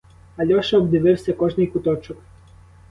Альоша обдивився кожний куточок.